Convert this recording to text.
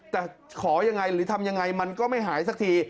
แต่ขอยังไงหรือทำยังไงมันก็ไม่หายสักที